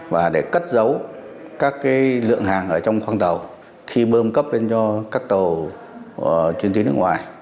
và để cất dấu các lượng hàng ở trong khoang tàu khi bơm cấp lên cho các tàu chuyên tuyến nước ngoài